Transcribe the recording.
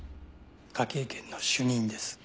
科警研の主任です。